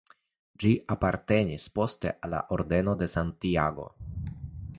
Ĝi apartenis poste al la Ordeno de Santiago.